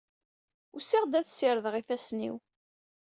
Usiɣ-d ad ssirdeɣ ifassen-iw.